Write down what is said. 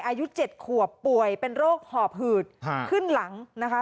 อายุ๗ขวบป่วยเป็นโรคหอบหืดขึ้นหลังนะคะ